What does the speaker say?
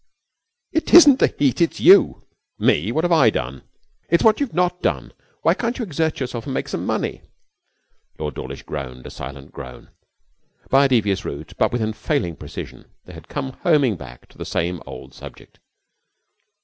'It isn't the heat. It's you!' 'Me? What have I done?' 'It's what you've not done. Why can't you exert yourself and make some money?' Lord Dawlish groaned a silent groan. By a devious route, but with unfailing precision, they had come homing back to the same old subject.